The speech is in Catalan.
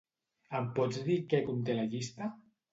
Em pots dir què conté la llista?